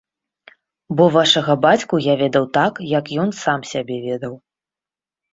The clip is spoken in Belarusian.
Бо вашага бацьку я ведаў так, як ён сам сябе ведаў.